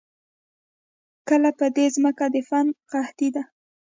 کله په دې زمکه د فن قحطي ده